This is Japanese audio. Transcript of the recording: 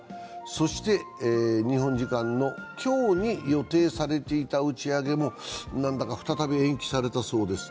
そして、日本時間の今日に予定されていた打ち上げも何だか再び延期されたそうです。